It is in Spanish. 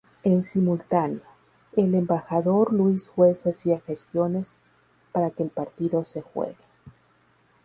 En simultáneo, el embajador Luis Juez hacía gestiones para que el partido se juegue.